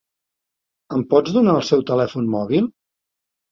Em pots donar el seu telèfon mòbil?